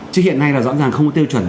chứ hiện nay là rõ ràng không có tiêu chuẩn